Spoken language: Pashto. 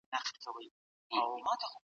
که ستونزه وي، علمي څېړنه یې حلوي.